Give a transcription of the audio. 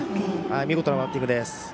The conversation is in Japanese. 見事なバッティングです。